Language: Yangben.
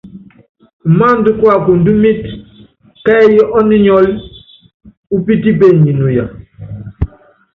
Umáándá kuakundímítɛ kɛ́ɛ́yí ɔ́ninyɔ́lɔ upítípenyi nuya.